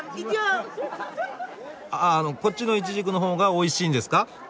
ああのこっちのイチジクの方がおいしいんですか？